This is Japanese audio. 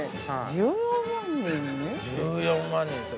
◆１４万人ですよ。